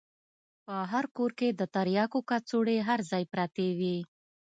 په هر کور کښې د ترياکو کڅوړې هر ځاى پرتې وې.